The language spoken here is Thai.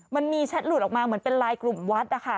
มันมีแชทหลุดออกมาเหมือนเป็นลายกลุ่มวัดนะคะ